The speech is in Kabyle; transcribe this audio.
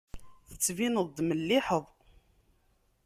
Tettbineḍ-d melliḥeḍ.